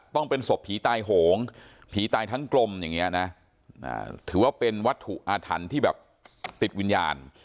ต้องเป็นศพผีตายโหงผีตายทั้งกลมอย่างนี้นะถือว่าเป็นวัตถุอาถรรพ์ที่แบบติดวิญญาณ